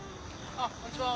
あっこんにちは！